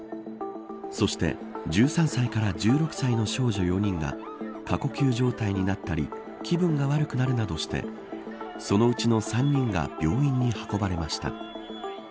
そして１３歳から１６歳の少女４人が過呼吸状態になったり気分が悪くなるなどしてそのうちの３人が病院に運ばれました。